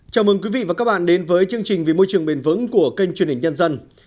chào mừng quý vị và các bạn đến với chương trình vì môi trường bền vững của kênh truyền hình nhân dân